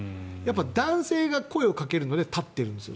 男性が声をかけるので女性は立ってるんです。